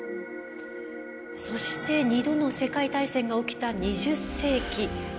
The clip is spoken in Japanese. そして２度の世界大戦が起きた２０世紀。